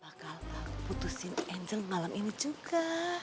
bakal putusin angel malam ini juga